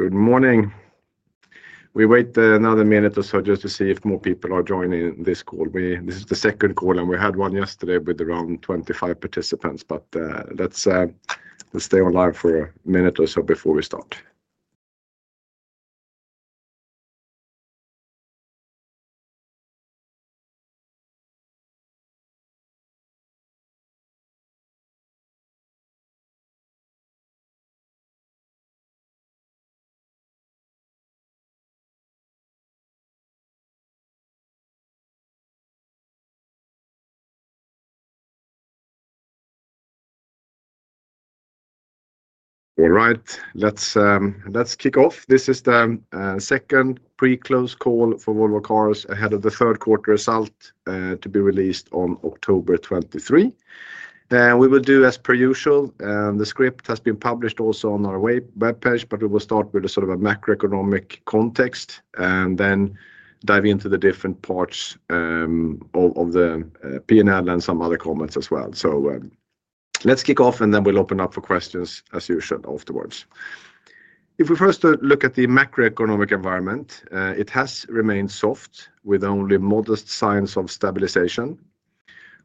Good morning. We wait another minute or so just to see if more people are joining this call. This is the second call, and we had one yesterday with around 25 participants. Let's stay online for a minute or so before we start. All right, let's kick off. This is the second pre-close call for Volvo Car AB ahead of the third quarter result to be released on October 23. We will do as per usual. The script has been published also on our web page, but we will start with a sort of a macroeconomic context and then dive into the different parts of the P&L and some other comments as well. Let's kick off, and then we'll open up for questions as usual afterwards. If we first look at the macroeconomic environment, it has remained soft with only modest signs of stabilization.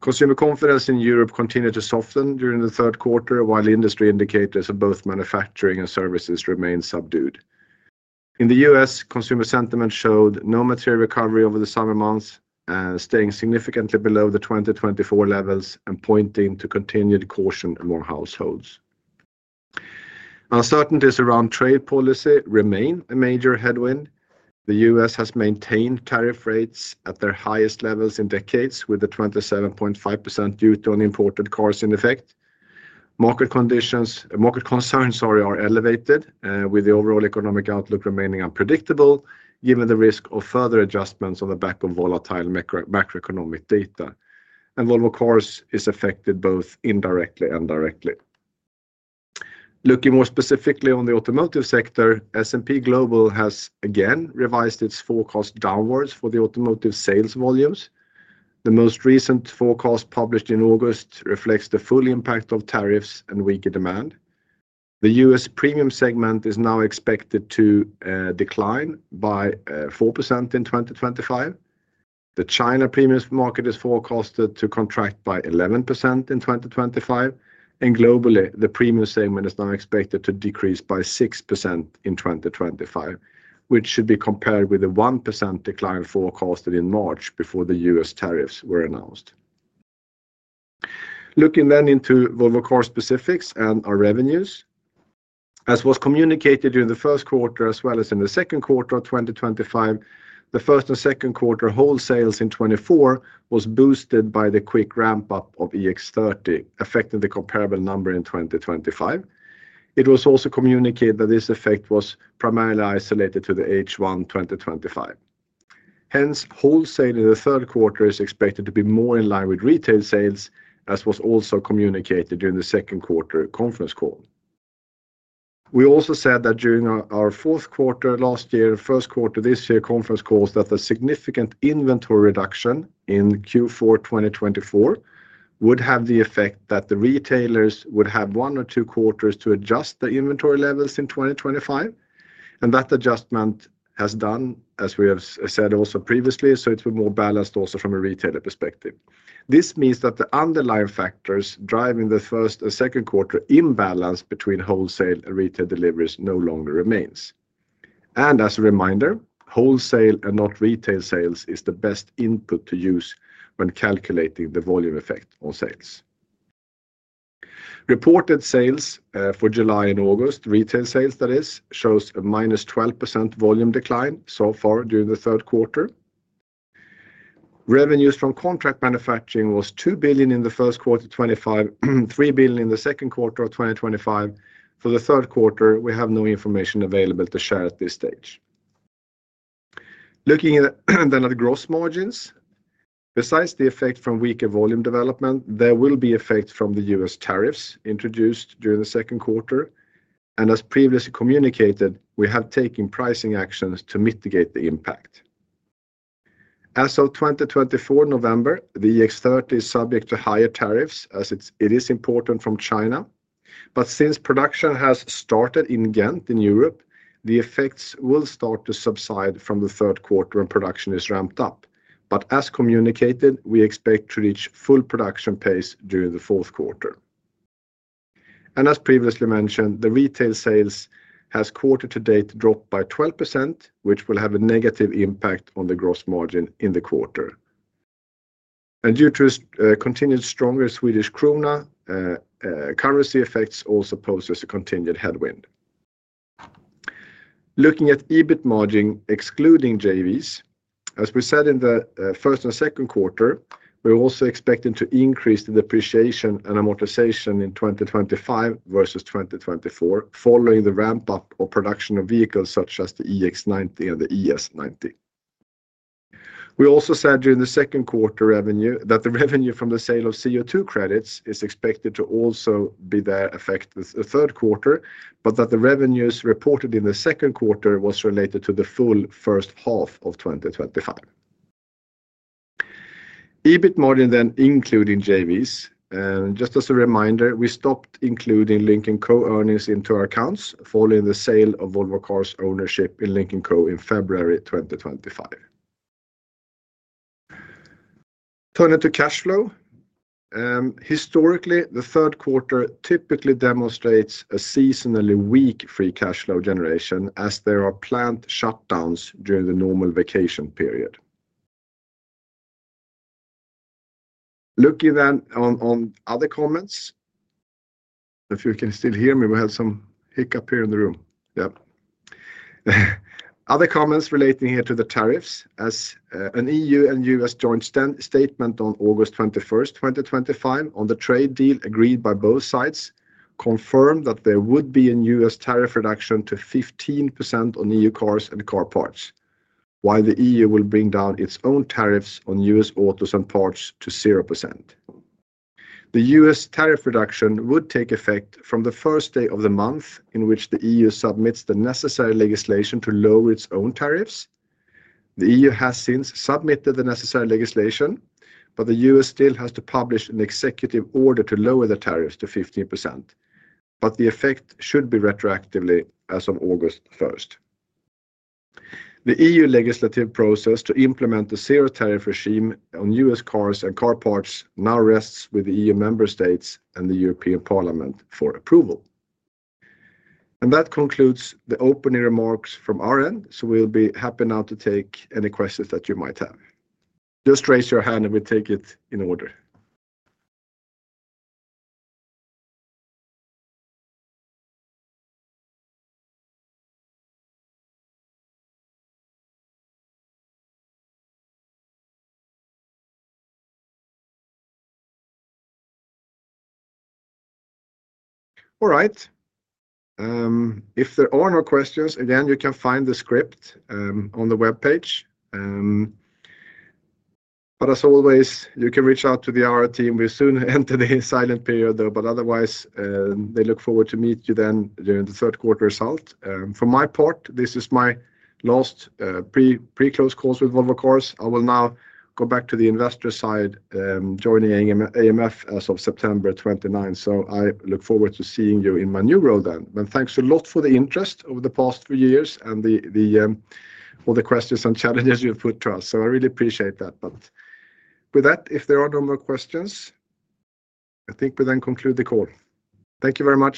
Consumer confidence in Europe continued to soften during the third quarter, while industry indicators of both manufacturing and services remained subdued. In the U.S., consumer sentiment showed no material recovery over the summer months, staying significantly below the 2024 levels and pointing to continued caution among households. Uncertainties around trade policy remain a major headwind. The U.S. has maintained tariff rates at their highest levels in decades, with a 27.5% yield on imported cars in effect. Market concerns are elevated, with the overall economic outlook remaining unpredictable given the risk of further adjustments on the back of volatile macroeconomic data. Volvo Car AB is affected both indirectly and directly. Looking more specifically on the automotive sector, S&P Global has again revised its forecast downwards for the automotive sales volumes. The most recent forecast published in August reflects the full impact of tariffs and weaker demand. The U.S. premium segment is now expected to decline by 4% in 2025. The China premium market is forecasted to contract by 11% in 2025. Globally, the premium segment is now expected to decrease by 6% in 2025, which should be compared with the 1% decline forecasted in March before the U.S. tariffs were announced. Looking then into Volvo Car AB specifics and our revenues, as was communicated during the first quarter as well as in the second quarter of 2025, the first and second quarter wholesales in 2024 were boosted by the quick ramp-up of EX30, affecting the comparable number in 2025. It was also communicated that this effect was primarily isolated to the H1 2025. Hence, wholesale in the third quarter is expected to be more in line with retail sales, as was also communicated during the second quarter conference call. We also said that during our fourth quarter last year and first quarter this year conference calls that a significant inventory reduction in Q4 2024 would have the effect that the retailers would have one or two quarters to adjust their inventory levels in 2025. That adjustment has been done, as we have said also previously, so it's been more balanced also from a retailer perspective. This means that the underlying factors driving the first and second quarter imbalance between wholesale and retail deliveries no longer remain. As a reminder, wholesale and not retail sales is the best input to use when calculating the volume effect on sales. Reported sales for July and August, retail sales that is, show a -12% volume decline so far during the third quarter. Revenues from contract manufacturing were 2 billion in the first quarter of 2025 and 3 billion in the second quarter of 2025. For the third quarter, we have no information available to share at this stage. Looking at the gross margins, besides the effect from weaker volume development, there will be effects from the U.S. tariffs introduced during the second quarter. As previously communicated, we have taken pricing actions to mitigate the impact. As of November 2024, the EX30 is subject to higher tariffs as it is imported from China. Since production has started in Ghent in Europe, the effects will start to subside from the third quarter when production is ramped up. We expect to reach full production pace during the fourth quarter. As previously mentioned, the retail sales have quarter-to-date dropped by 12%, which will have a negative impact on the gross margin in the quarter. Due to continued stronger Swedish krona, currency effects also pose a continued headwind. Looking at EBIT margin, excluding JVs, as we said in the first and second quarter, we're also expecting to increase the depreciation and amortization in 2025 versus 2024 following the ramp-up of production of vehicles such as the EX90 and the ES90. We also said during the second quarter that the revenue from the sale of CO2 credits is expected to also be affected in the third quarter, but that the revenues reported in the second quarter were related to the full first half of 2025. EBIT margin then including JVs. Just as a reminder, we stopped including Lynk & Co earnings into our accounts following the sale of Volvo Car AB's ownership in Lynk & Co in February 2025. Turning to cash flow, historically, the third quarter typically demonstrates a seasonally weak free cash flow generation as there are planned shutdowns during the normal vacation period. Looking then on other comments, if you can still hear me, we had some hiccup here in the room. Other comments relating here to the tariffs, as an EU and U.S. joint statement on August 21, 2025, on the trade deal agreed by both sides confirmed that there would be a U.S. tariff reduction to 15% on EU cars and car parts, while the EU will bring down its own tariffs on U.S. autos and parts to 0%. The U.S. tariff reduction would take effect from the first day of the month in which the EU submits the necessary legislation to lower its own tariffs. The EU has since submitted the necessary legislation, but the U.S. still has to publish an executive order to lower the tariffs to 15%. The effect should be retroactively as of August 1. The EU legislative process to implement the zero tariff regime on U.S. cars and car parts now rests with the EU member states and the European Parliament for approval. That concludes the opening remarks from our end. We'll be happy now to take any questions that you might have. Just raise your hand and we'll take it in order. If there are no questions, you can find the script on the web page. As always, you can reach out to the IR team. We'll soon enter the silent period, though. Otherwise, they look forward to meeting you then during the third quarter result. For my part, this is my last pre-close call with Volvo Car AB. I will now go back to the investor side, joining AMF as of September 29. I look forward to seeing you in my new role then. Thanks a lot for the interest over the past few years and all the questions and challenges you've put to us. I really appreciate that. If there are no more questions, I think we then conclude the call. Thank you very much.